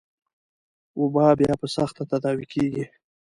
وبا بيا په سخته تداوي کېږي.